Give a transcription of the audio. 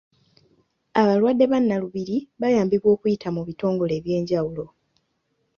Abalwadde ba nnalubiri bayambibwa okuyita mu bitongole ebyenjawulo.